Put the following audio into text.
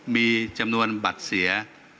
มีจำนวนบัตรเสีย